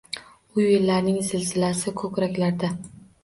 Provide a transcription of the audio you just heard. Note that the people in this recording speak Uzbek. U yillarning zilzilasi ko’kraklarda